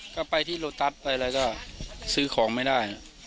ก็ไปที่โลตัสไปอะไรก็ซื้อของไม่ได้